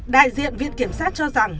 đại diện viện kiểm sát cho rằng